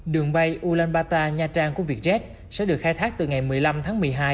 đường bay ulaanbaatar nha trang của vietjet sẽ được khai thác từ ngày một mươi năm tháng một mươi hai